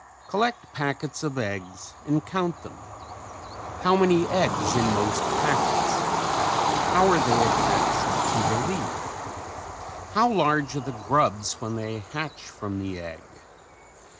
Collect packets of eggs and count them. How many eggs in most packets? How are they attached to the leaf? How large are the grubs when they hatch from the egg?